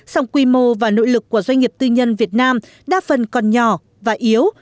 song quy mô và nội lực của doanh nghiệp tư nhân việt nam đa phần còn nhỏ và yếu